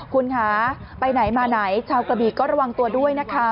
คุณคะไปไหนมาไหนชาวกระบีก็ระวังตัวด้วยนะคะ